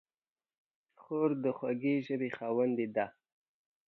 خور د خوږې ژبې خاوندې ده.